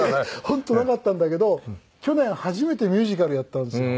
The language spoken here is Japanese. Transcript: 本当なかったんだけど去年初めてミュージカルやったんですよ。